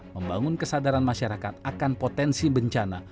membangun kesadaran masyarakat akan potensi bencana